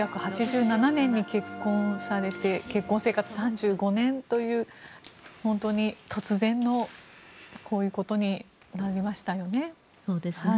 １９８７年に結婚されて結婚生活３５年という本当に突然こういうことになりましたね。